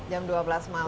jam dua belas malam